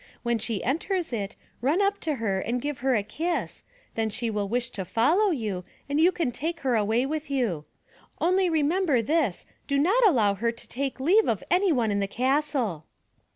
When she enters it run up to her and give her a kiss, then she will wish to follow you and you can take her away with you. Only remember this, do not allow her to take leave of anyone in the castle."